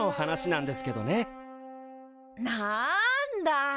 なんだ。